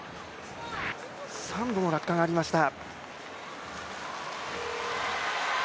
３度の落下がありました。